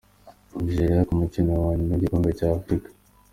Nigeria ku mukino wa nyuma w’igikombe cya Afurika